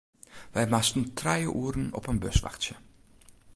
Wy moasten trije oeren op in bus wachtsje.